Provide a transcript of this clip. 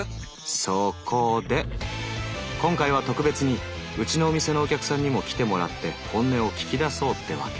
そこで今回は特別にうちのお店のお客さんにも来てもらって本音を聞き出そうってワケ。